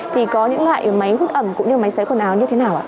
thì có những loại máy hút ẩm cũng như máy xấy quần áo như thế nào ạ